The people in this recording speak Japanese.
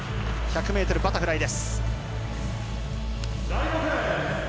１００ｍバタフライです。